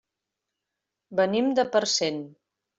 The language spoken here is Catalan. Venim de Parcent.